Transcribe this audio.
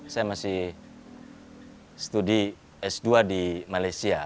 saya masih studi s dua di malaysia